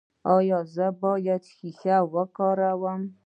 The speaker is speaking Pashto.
ایا زه باید شیشه وکاروم؟